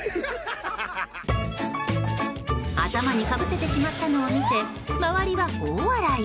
頭にかぶせてしまったのを見て周りは大笑い。